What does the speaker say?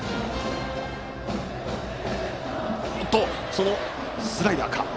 そのスライダーか。